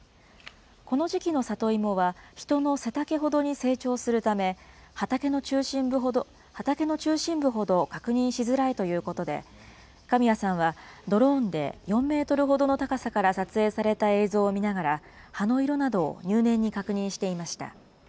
この時期の里芋は人の背丈ほどに成長するため、畑の中心部ほど確認しづらいということで、神谷さんはドローンで４メートルほどの高さから撮影された映像を見ながら、葉の色などを入念に確認していました。